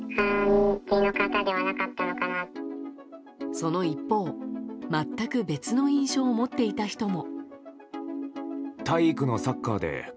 その一方、全く別の印象を持っていた人も。